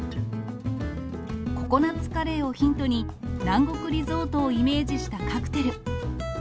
ココナッツカレーをヒントに、南国リゾートをイメージしたカクテル。